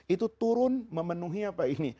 itu turun memenuhi apa ini